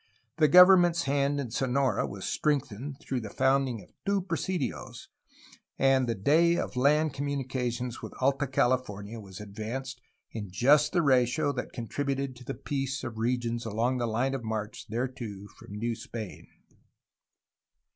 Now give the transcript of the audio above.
The government's hand in Sonora was strengthened through the founding of two presidios, and the day of land communication with Alta California was advanced in just the ratio that that contributed to the peace of regions along the line of march thereto from New Spain.